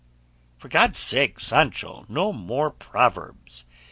"For God's sake, Sancho, no more proverbs!"